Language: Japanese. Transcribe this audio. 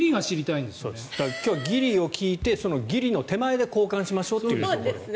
今日、ギリを聞いてそのギリの手前で交換しましょうという。